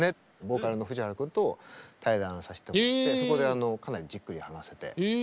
ボーカルの藤原君と対談させてもらってそこでかなりじっくり話せて。